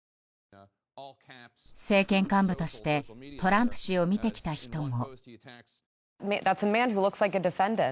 政権幹部としてトランプ氏を見てきた人も。